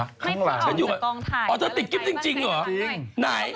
ไม่เพิ่งออกจากกองถ่ายมันไว้บนขนาดหน้าจริงหน่อย